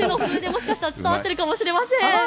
もしかしたら伝わっているかもしれません。